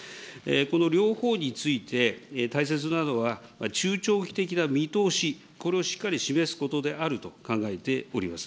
この両方について大切なのは、中長期的な見通し、これをしっかり示すことであると考えております。